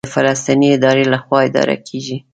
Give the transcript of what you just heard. دا د فلسطیني ادارې لخوا اداره کېږي.